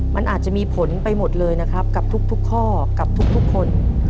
มันอาจจะมีผลไปหมดเลยนะครับกับทุกข้อกับทุกคน